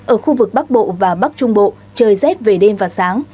ở khu vực bắc bộ và bắc trung bộ trời rét về đêm và sáng